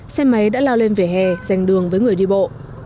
xe máy đã lao lên vỉa hè dành đường với người đi bộ